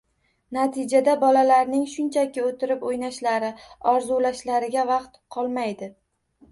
Natijada bolalarning shunchaki o‘tirib, o‘ylashlari, orzulashlariga vaqt qolmaydi.